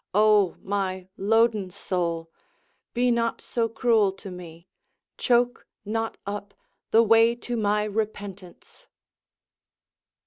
Oh, my loaden soul, Be not so cruel to me; choke not up The way to my repentance!